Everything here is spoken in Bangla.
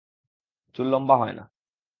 চুল লম্বা হয় না!